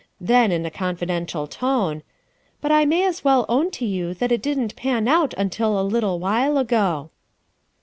Then, in a confidential tone : "But I may as well own to you that it didn't pan out until a little while ago."